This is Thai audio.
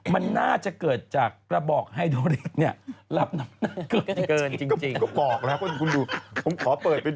มันน่าจะเกิดจากกระบอกไฮโดริกเนี่ยรับน้ำเกินจริง